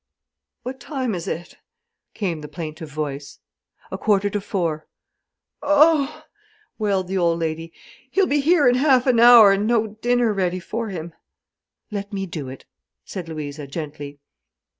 "What time is it?" came the plaintive voice. "A quarter to four." "Oh!" wailed the old lady, "he'll be here in half an hour, and no dinner ready for him." "Let me do it?" said Louisa, gently.